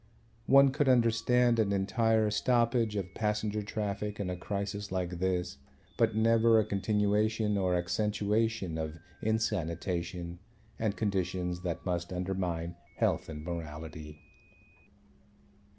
One could understand an entire stoppage of passenger traffic in a crisis like this, but never a continuation or accentuation of insanitation and conditions that must undermine health and morality.